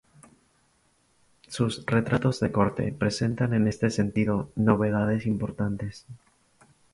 Sus retratos de corte presentan en este sentido novedades importantes.